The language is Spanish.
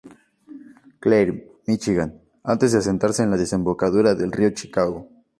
Clair, Míchigan, antes de asentarse en la desembocadura del río Chicago.